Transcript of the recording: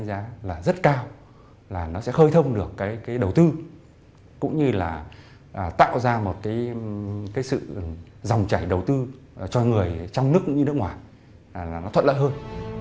đánh giá là rất cao là nó sẽ khơi thông được cái đầu tư cũng như là tạo ra một cái sự dòng chảy đầu tư cho người trong nước cũng như nước ngoài là nó thuận lợi hơn